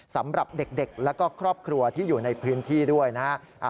สำหรับเด็กและก็ครอบครัวที่อยู่ในพื้นที่ด้วยนะฮะ